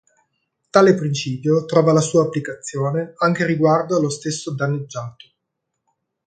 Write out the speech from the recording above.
Tale principio trova la sua applicazione anche riguardo allo stesso danneggiato.